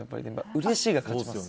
うれしいが勝ちます。